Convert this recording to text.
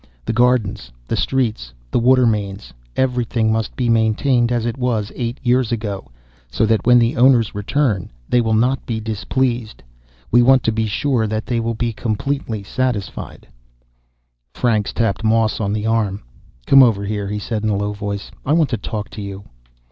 The gardens, the streets, the water mains, everything must be maintained as it was eight years ago, so that when the owners return, they will not be displeased. We want to be sure that they will be completely satisfied." Franks tapped Moss on the arm. "Come over here," he said in a low voice. "I want to talk to you."